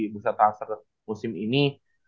bencata husser musim ini